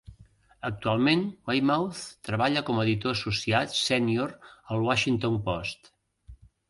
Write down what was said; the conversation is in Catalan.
Actualment, Weymouth treballa com a editor associat sènior al Washington Post.